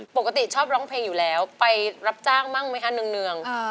ปกติชอบร้องเพลงอยู่แล้วไปรับจ้างบ้างไหมคะเนือง